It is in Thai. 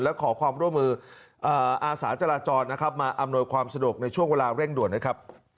และขอความร่วมมืออาสาจราจรมาอำนวยความสะดวกในช่วงว่าเร่งด่วนนี้